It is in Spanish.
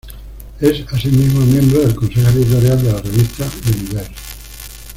Es asimismo miembro del consejo editorial de la revista "Universe".